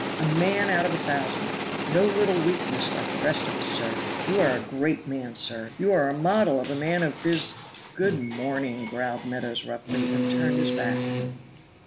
A man out of a thousand! No little weakness, like the rest of us, sir. You are a great man, sir. You are a model of a man of bus " "Good morning," growled Meadows roughly, and turned his back.